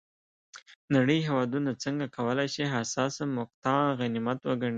نړۍ هېوادونه څنګه کولای شي حساسه مقطعه غنیمت وګڼي.